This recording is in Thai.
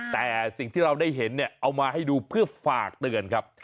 แต่สิ่งที่เราได้เห็นเนี่ยเอามาให้ดูเพื่อฝากเตือนครับ